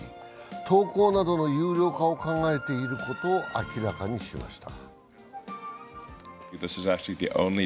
投稿などの有料化を考えていることを明らかにしました。